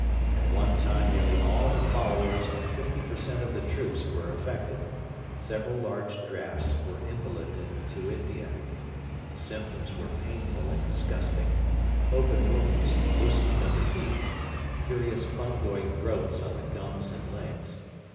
At one time nearly all the followers and 50 per cent of the troops were affected. Several large drafts were invalided to India. The symptoms were painful and disgusting open wounds, loosening of the teeth, curious fungoid growths on the gums and legs.